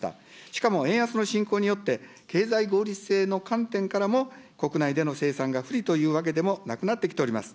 しかも円安の進行によって、経済合理性の観点からも、国内での生産が不利というわけでもなくなってきております。